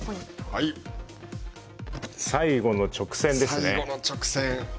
最後の直線ですね。